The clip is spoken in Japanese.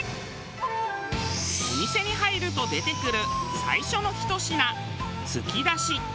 お店に入ると出てくる最初のひと品つきだし。